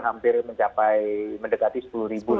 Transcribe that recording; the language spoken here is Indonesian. hampir mencapai mendekati sepuluh ribu lah